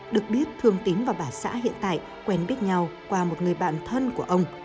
được biết thương tín và bà xã hiện tại quen biết nhau qua một người bạn thân của ông